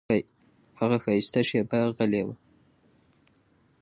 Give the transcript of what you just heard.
هغه ښایسته شېبه غلی و.